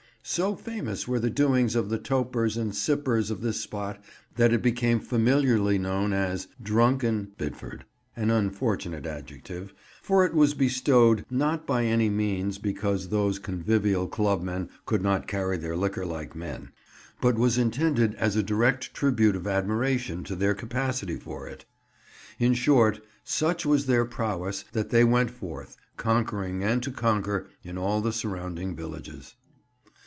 So famous were the doings of the Topers and the Sippers of this spot that it became familiarly known as "Drunken" Bidford; an unfortunate adjective, for it was bestowed not by any means because those convivial clubmen could not carry their liquor like men, but was intended as a direct tribute of admiration to their capacity for it. In short, such was their prowess that they went forth, conquering and to conquer, in all the surrounding villages.